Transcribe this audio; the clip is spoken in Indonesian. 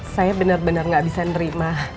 saya benar benar gak bisa nerima